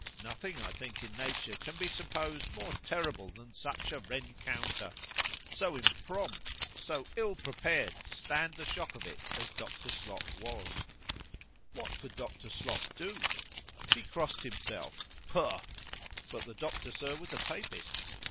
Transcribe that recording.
—Nothing, I think, in nature, can be supposed more terrible than such a rencounter,—so imprompt! so ill prepared to stand the shock of it as Dr. Slop was. What could Dr. Slop do?——he crossed himself +—Pugh!—but the doctor, Sir, was a Papist.